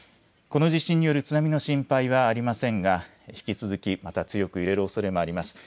この地震による津波の心配はありませんが引き続き、また強く揺れるおそれもあります。